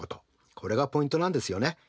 これがポイントなんですよね。